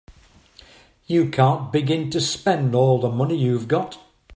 You can't begin to spend all the money you've got.